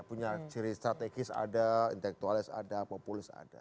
punya ciri strategis ada intelektualis ada populis ada